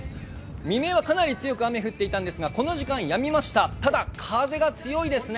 未明はかなり強く雨降っていたんですが、この時間やみました、ただ風が強いですね。